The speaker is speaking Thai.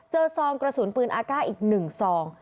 ซองกระสุนปืนอากาศอีก๑ซอง